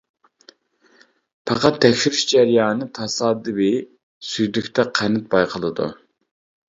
پەقەت تەكشۈرۈش جەريانى تاسادىپىي سۈيدۈكتە قەنت بايقىلىدۇ.